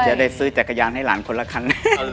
จะได้ซื้อจักรยานให้หลานคนละคัน